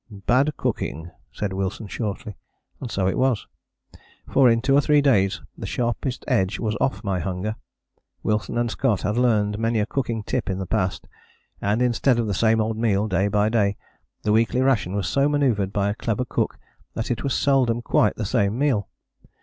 "Bad cooking," said Wilson shortly; and so it was. For in two or three days the sharpest edge was off my hunger. Wilson and Scott had learned many a cooking tip in the past, and, instead of the same old meal day by day, the weekly ration was so manoeuvred by a clever cook that it was seldom quite the same meal.